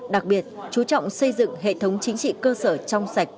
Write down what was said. đặc biệt chú trọng xây dựng hệ thống chính trị cơ sở trong sạch